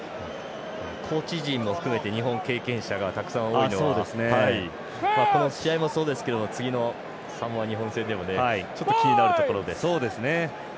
コーチ陣も含めて日本、経験者がたくさん多いのはこの試合もそうですけどサモア・日本戦でもちょっと気になるところです。